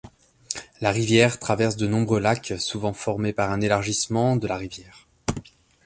La rivière traverse de nombreux lacs souvent formés par un élargissement de la rivière.